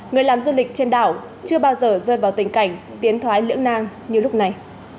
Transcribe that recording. người làm du lịch trên đảo chưa bao giờ rơi vào tình cảnh tiến thoái lưỡng nang như lúc này